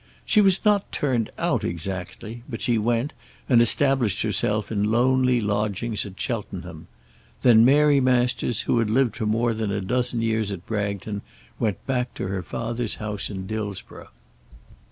She was not turned out exactly; but she went and established herself in lonely lodgings at Cheltenham. Then Mary Masters, who had lived for more than a dozen years at Bragton, went back to her father's house in Dillsborough.